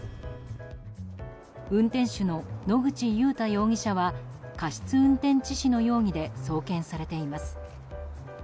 運転手の野口祐太容疑者は過失運転致死の容疑で送検されています。